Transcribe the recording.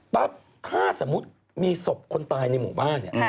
ถ้าสมมุติมีศพคนตายในหมู่บ้านเนี่ย